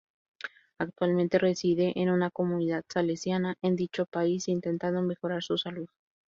Actualmente reside en una comunidad salesiana en dicho país, intentando mejorar su salud.